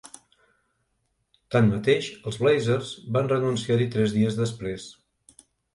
Tanmateix, els Blazers van renunciar-hi tres dies després.